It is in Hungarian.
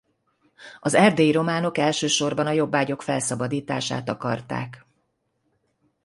Az erdélyi románok elsősorban a jobbágyok felszabadítását akarták.